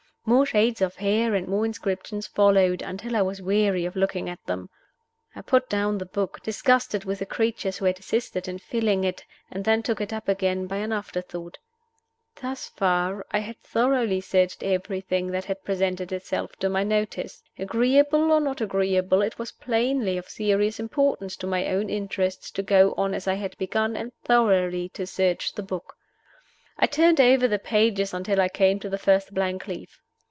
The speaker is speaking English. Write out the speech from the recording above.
More shades of hair and more inscriptions followed, until I was weary of looking at them. I put down the book, disgusted with the creatures who had assisted in filling it, and then took it up again, by an afterthought. Thus far I had thoroughly searched everything that had presented itself to my notice. Agreeable or not agreeable, it was plainly of serious importance to my own interests to go on as I had begun, and thoroughly to search the book. I turned over the pages until I came to the first blank leaf.